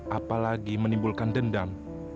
apalagi menimbulkan dendam